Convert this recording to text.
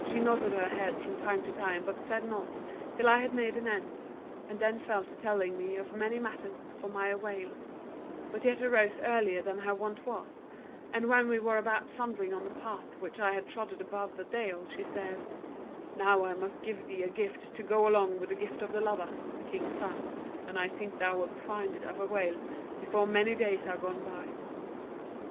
She nodded her head from time to time, but said naught, till I had made an end: and then fell to telling me of many matters for my avail; but yet arose earlier than her wont was; and when we were about sundering on the path which I had trodden above the Dale, she said: 'Now must I give thee that gift to go along with the gift of the lover, the King's son; and I think thou wilt find it of avail before many days are gone by.'